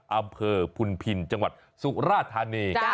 อำเภอพุนพินจังหวัดสุราธานี